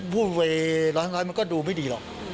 พูดเวล้อน้อยมันก็ดูไม่ดีหรอก